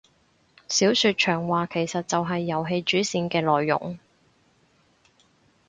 小說長話其實就係遊戲主線嘅內容